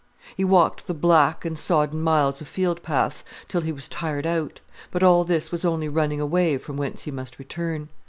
He walked the black and sodden miles of field paths, till he was tired out: but all this was only running away from whence he must return.